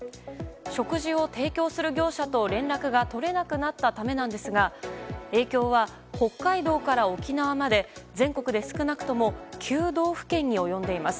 食事を提供する業者と、連絡が取れなくなったためなんですが影響は北海道から沖縄まで全国で少なくとも９道府県に及んでいます。